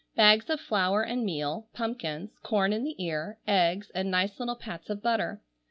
Bags of flour and meal, pumpkins, corn in the ear, eggs, and nice little pats of butter.